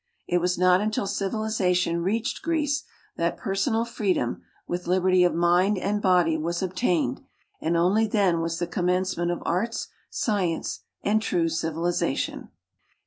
It was not until civilization reached Greece that personal freedom, with liberty of mind and body, was obtained, and only then was the com mencement of arts, science, and true civilization.